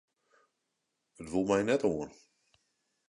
It wol my net oan.